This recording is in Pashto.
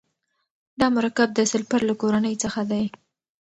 دا مرکب د سلفر له کورنۍ دی.